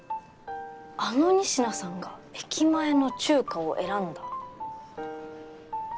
あの仁科さんが駅前の中華を選んだ。